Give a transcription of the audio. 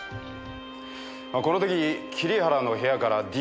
この時桐原の部屋からＤＮＡを採取。